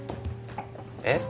えっ？